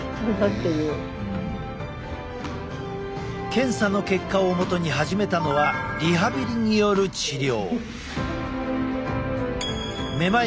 検査の結果をもとに始めたのはリハビリによる治療。